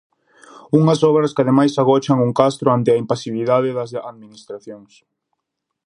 Unhas obras que ademais agochan un Castro ante a impasibilidade das administracións.